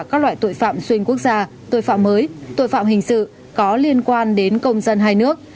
các loại tội phạm xuyên quốc gia tội phạm mới tội phạm hình sự có liên quan đến công dân hai nước